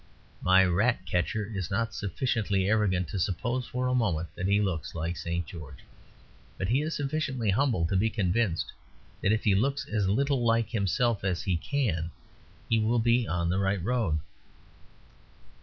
My Rat catcher is not sufficiently arrogant to suppose for a moment that he looks like St. George. But he is sufficiently humble to be convinced that if he looks as little like himself as he can, he will be on the right road.